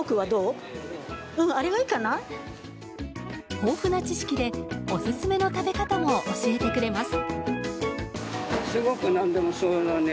豊富な知識で、オススメの食べ方も教えてくれます。